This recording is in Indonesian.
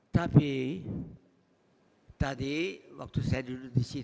tapi tadi waktu saya duduk disitu